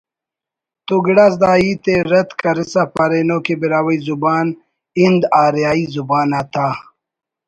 تو گڑاس دا ہیت ءِ رد کرسا پارینو کہ براہوئی زبان ہند آریائی زبان آتا